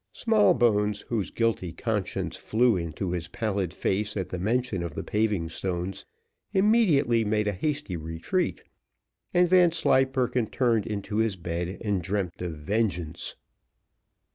Smallbones, whose guilty conscience flew into his pallid face at the mention of the paving stones, immediately made a hasty retreat; and Vanslyperken turned into his bed and dreamt of vengeance.